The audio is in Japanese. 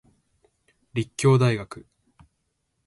立教大学